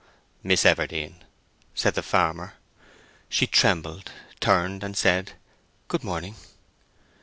"Miss Everdene!" said the farmer. She trembled, turned, and said "Good morning."